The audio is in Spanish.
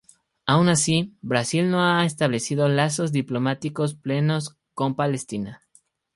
Aun así, Brasil no ha establecido lazos diplomáticos plenos con Palestina.